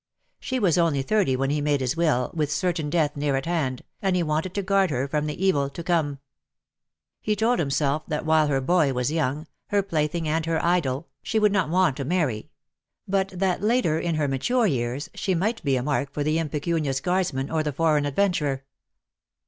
She was only thirty when he made his will, with certain death near at hand, and he wanted to guard her from the evil to come. He told himself that while her boy was young, her plaything and her idol, she would 4* gJS DEAD LOVE HAS CHAINS. not want to marry; but that later, in her mature years, she might be a mark for the impecunious guardsman or the foreign adventurer.